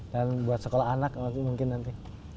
dan buat sekolah anak mungkin nanti